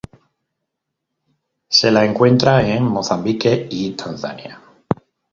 Se la encuentra en Mozambique y Tanzania.